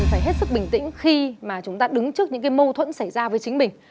phải hết sức bình tĩnh khi mà chúng ta đứng trước những cái mâu thuẫn xảy ra với chính mình